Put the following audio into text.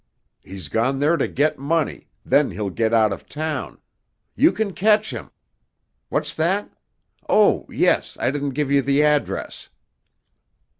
He's gone there to get money, then he'll get out of town. You can catch him! ... What's that? Oh, yes—I didn't give you the address!"